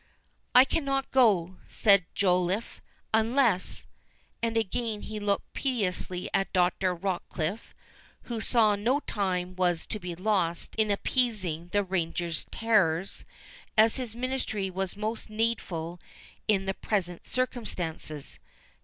"I cannot go," said Joliffe, "unless"—and again he looked piteously at Dr. Rochecliffe, who saw no time was to be lost in appeasing the ranger's terrors, as his ministry was most needful in the present circumstances.